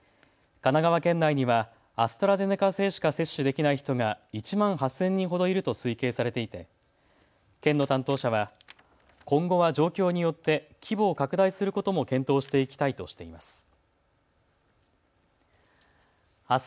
神奈川県内にはアストラゼネカ製しか接種できない人が１万８０００人ほどいると推計されていて県の担当者は今後は状況によって規模を拡大することも検討していきたいとしています。